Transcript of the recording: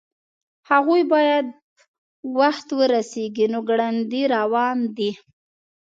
هغوی باید په وخت ورسیږي نو ګړندي روان دي